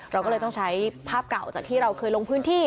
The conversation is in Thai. เราก็เลยต้องใช้ภาพเก่าจากที่เราเคยลงพื้นที่